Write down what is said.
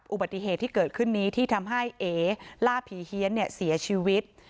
อุบัติเหตุที่เกิดขึ้นนี้ที่ทำให้เอ๋ล่าผีเฮียนเสียชีวิต